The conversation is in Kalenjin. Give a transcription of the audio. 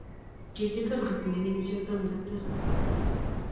Kikitun kotinye kenyishek taman ak tisap